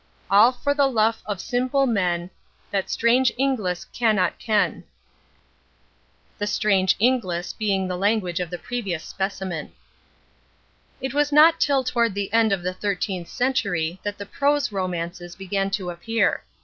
Alle for the luf of symple men, That strange Inglis cannot ken." The "strange Inglis" being the language of the previous specimen. It was not till toward the end of the thirteenth century that the PROSE romances began to appear.